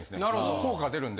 効果が出るんで。